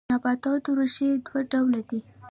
د نباتاتو ریښې دوه ډوله دي